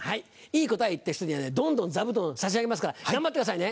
いい答え言った人にはどんどん座布団差し上げますから頑張ってくださいね。